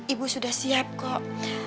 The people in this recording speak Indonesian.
ibu sudah siap kok